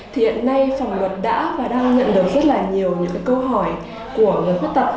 thì hiện nay phòng luật đã và đang nhận được rất là nhiều những câu hỏi của người khuyết tật